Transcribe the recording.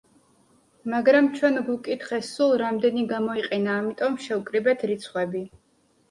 მაგრამ ჩვენ გვკითხეს სულ რამდენი გამოიყენა ამიტომ შევკრიბეთ რიცხვები.